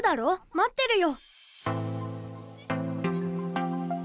まってるよ。